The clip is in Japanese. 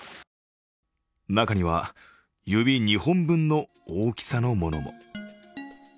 中には指２本分の大きさのものも。